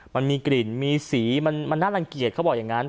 มันมีกลิ่นมีสีมันน่ารังเกียจเขาบอกอย่างนั้น